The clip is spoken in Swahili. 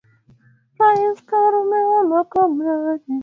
Rais Karume na Makomredi wenzake wa Chama cha Afro Shirazi